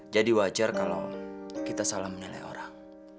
jadi wajar kalau kita salah menilai orang